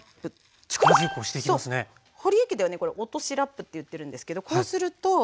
ほりえ家ではねこれ落としラップって言ってるんですけどこうすると見て下さい。